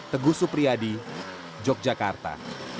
teguh supriyadi yogyakarta